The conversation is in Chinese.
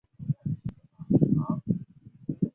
此吧因嘲讽李毅而建立。